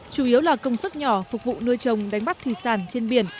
chủ yếu là công suất nhỏ phục vụ nuôi trồng đánh bắt thủy sản trên biển